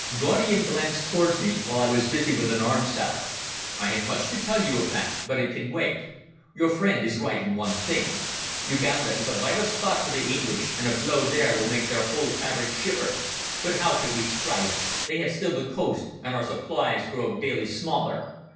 Gaudian glanced towards me while I was busy with an orange salad. "I have much to tell you of that. But it can wait. Your friend is right in one thing. Uganda is a vital spot for the English, and a blow there will make their whole fabric shiver. But how can we strike? They have still the coast, and our supplies grow daily smaller."